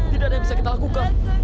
tidak ada yang bisa kita lakukan